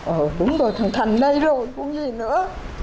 ờ đúng rồi thằng thành đây rồi không gì nữa